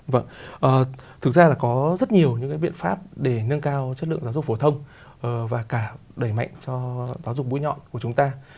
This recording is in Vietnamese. vâng thực ra là có rất nhiều những cái biện pháp để nâng cao chất lượng giáo dục phổ thông và cả đẩy mạnh cho giáo dục bôi nhọn của chúng ta